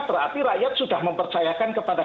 berarti rakyat sudah mempercayakan kepada